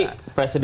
dan pernah terjadi